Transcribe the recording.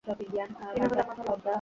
এই না হলে আমার ভাল্লুক!